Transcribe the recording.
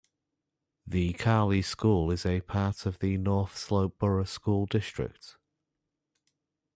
The Kali school is a part of the North Slope Borough School District.